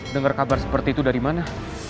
dengar kabar seperti itu dari mana